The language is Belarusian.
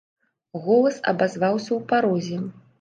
Голас абазваўся ў парозе.